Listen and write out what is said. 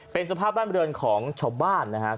เป็นสภาพบ้านบริเวณของชาวบ้านนะครับ